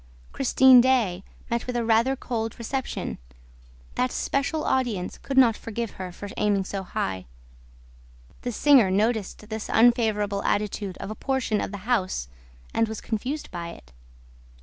Christine Daae met with a rather cold reception. That special audience could not forgive her for aiming so high. The singer noticed this unfavorable attitude of a portion of the house and was confused by it.